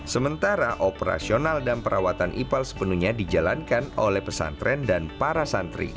sementara operasional dan perawatan ipal sepenuhnya dijalankan oleh pesantren dan para santri